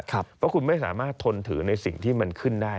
เพราะคุณไม่สามารถทนถือในสิ่งที่มันขึ้นได้